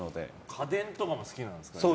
家電とかも好きなんですね。